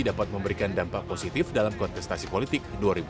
dapat memberikan dampak positif dalam kontestasi politik dua ribu dua puluh